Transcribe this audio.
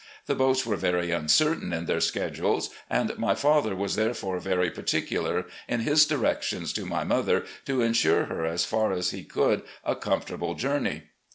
The boats were very tmcertain in their schedules, and my father was therefore very particvilar in his directions to my mother, to insure her as far as he could a comfortable journey.